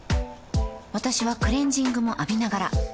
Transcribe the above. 私はクレジングも浴びながら